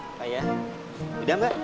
oh iya udah mbak